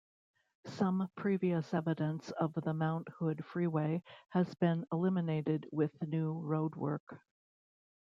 Some previous evidence of the Mount Hood Freeway has been eliminated with new roadwork.